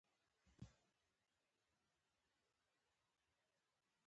دا اصولنامه د عبدالمجید زابلي په نوښت جوړه او عملي شوه.